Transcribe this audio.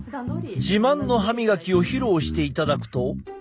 自慢の歯みがきを披露していただくと。